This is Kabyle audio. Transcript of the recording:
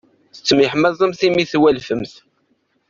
Tettemyeḥmaẓemt imi twalfemt.